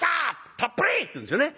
たっぷり！」って言うんですよね。